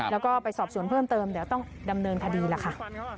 แล้วก็ไปสอบสวนเพิ่มเติมเดี๋ยวต้องดำเนินคดีล่ะค่ะ